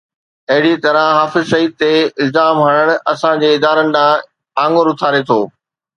اهڙي طرح حافظ سعيد تي الزام هڻڻ اسان جي ادارن ڏانهن آڱر اُٿاري ٿو.